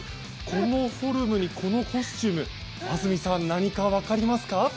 このフォルムにこのコスチューム安住さん、何か分かりますか？